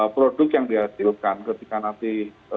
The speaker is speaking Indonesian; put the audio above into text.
produk yang dihasilkan ketika nanti